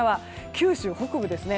九州北部ですね。